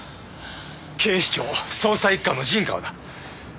警視庁捜査一課の陣川だ。